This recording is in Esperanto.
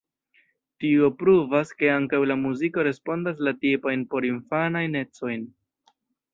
Tio pruvas ke ankaŭ la muziko respondas la tipajn porinfanajn ecojn.